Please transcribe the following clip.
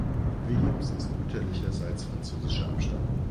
Williams ist mütterlicherseits französischer Abstammung.